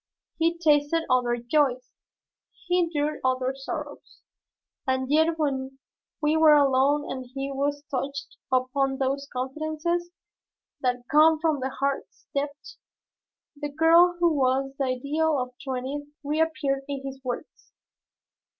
He tasted other joys. He endured other sorrows, and yet when we were alone and when we touched upon those confidences that come from the heart's depths, the girl who was the ideal of his twentieth year reappeared in his words.